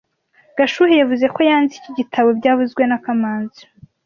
Gashuhe yavuze ko yanze iki gitabo byavuzwe na kamanzi